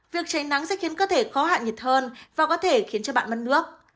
việc cháy nắng sẽ khiến cơ thể khó hạ nhiệt hơn và có thể khiến cho bạn mất nước